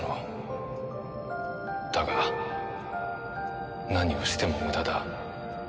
だが何をしても無駄だ。